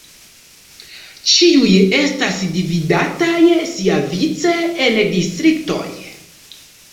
Ĉiuj estas dividataj siavice en distriktoj.